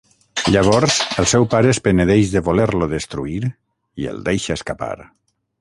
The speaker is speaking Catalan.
Llavors, el seu pare es penedeix de voler-lo destruir, i el deixa escapar.